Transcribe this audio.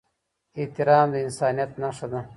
احترام د انسانيت نښه ده.